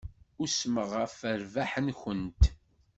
Usmeɣ ɣef rrbeḥ-nkent.